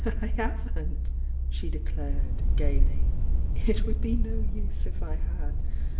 "I haven't!" she declared, gaily. "It would be no use If I had!